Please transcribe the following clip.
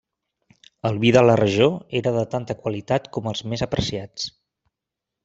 El vi de la regió era de tanta qualitat com els més apreciats.